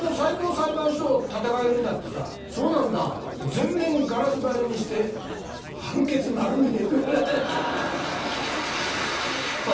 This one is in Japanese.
全面ガラス張りにして判決丸見え。